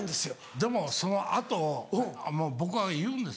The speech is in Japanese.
でもその後もう僕は言うんですよ。